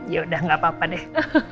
yaudah gapapa deh